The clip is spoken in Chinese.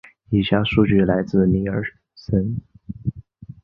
以下数据来自尼尔森。